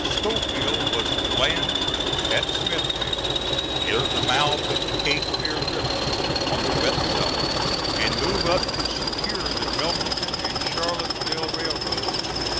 Schofield was to land troops at Smithville, near the mouth of the Cape Fear River on the west side, and move up to secure the Wilmington and Charlotteville Railroad.